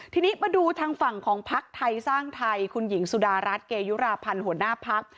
ทีนี้มาดูทางฝั่งของพักไทยสร้างไทยคุณหญิงสุดารัฐเกยุราพันธ์หัวหน้าพัก